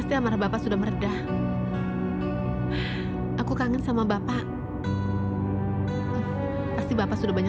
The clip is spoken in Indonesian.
sampai jumpa di video selanjutnya